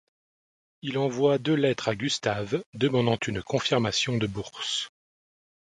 Il envoie deux lettres à Gustav, demandant une confirmation de bourse.